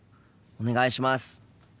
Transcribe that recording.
お願いします。